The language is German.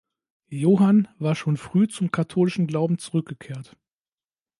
Johann war schon früh zum katholischen Glauben zurückgekehrt.